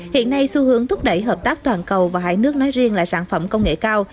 hiện nay xu hướng thúc đẩy hợp tác toàn cầu và hai nước nói riêng là sản phẩm công nghệ cao